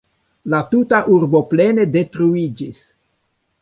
La tuta urbo plene detruiĝis.